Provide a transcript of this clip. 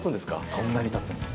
そんなにたつんです。